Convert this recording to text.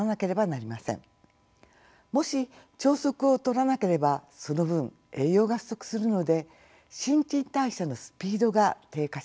もし朝食をとらなければその分栄養が不足するので新陳代謝のスピードが低下します。